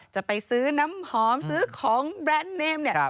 จะไปซื้อน้ำหอมซื้อของแบรนด์เนมเนี่ย